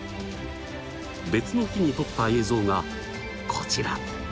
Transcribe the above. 別の日に撮った映像がこちら！